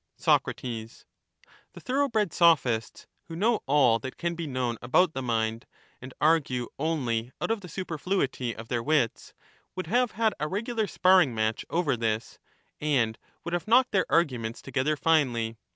* Thea.tetu«. Sac, The thoroughbred Sophists, who know all that can be known about the mind, and argue only out of the super fluity of their wits, would have had a regular sparring match over this, and would have knocked their arguments together finely.